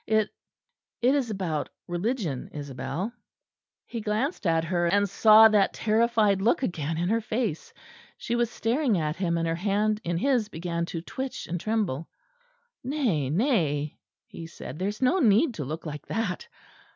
It it is about religion, Isabel." He glanced at her, and saw that terrified look again in her face: she was staring at him, and her hand in his began to twitch and tremble. "Nay, nay," he said, "there is no need to look like that.